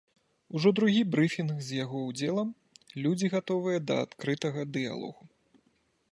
Ужо другі брыфінг з яго ўдзелам, людзі гатовыя да адкрытага дыялогу.